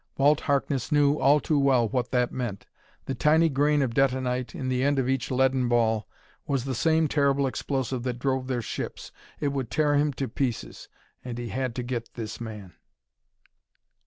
Walt Harkness knew all too well what that meant. The tiny grain of detonite in the end of each leaden ball was the same terrible explosive that drove their ships: it would tear him to pieces. And he had to get this man.